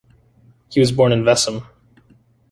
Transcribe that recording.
He was born in Vessem.